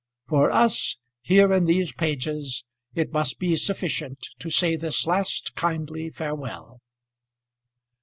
For us, here in these pages, it must be sufficient to say this last kindly farewell.